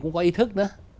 cũng có ý thức nữa